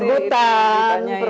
saya yang terima kasih